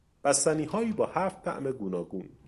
بستنیهایی با هفت طعم گوناگون